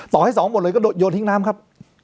ต่อให้๒บทเลยก็โดดโยนทิ้งน้ำครับ